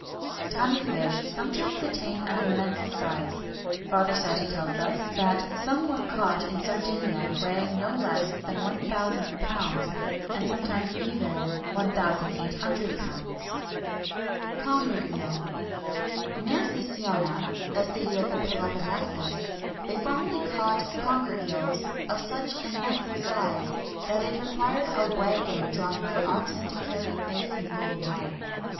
[XXI 111] Tunny fish sometimes attain an immense size. Father Cetti tells us, that some were caught in Sardinia weighing no less than 1,000 lbs., and sometimes even 1,800 lbs.[XXI 112] CONGER EEL. Near Sicyona, a city of the Peloponnesus,[XXI 113] they formerly caught conger eels of such immense size, that it required a waggon drawn by oxen to carry a single one.